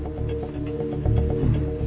うん。